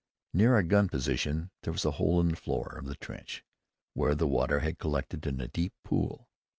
Near our gun position there was a hole in the floor of the trench where the water had collected in a deep pool.